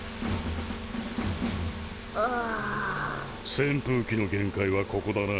扇風機の限界はここだな。